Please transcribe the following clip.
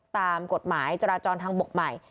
ตามกฎหมายจราจรทางบกใหม่